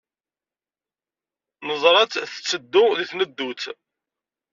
Neẓra-tt tetteddu deg tneddut.